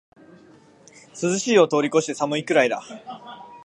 涼しいを通りこして寒いくらいだ